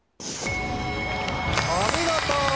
お見事！